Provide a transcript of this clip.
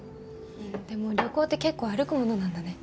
でも旅行って結構歩くものなんだね。